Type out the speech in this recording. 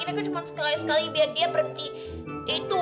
ini kan cuma sekali sekali biar dia berhenti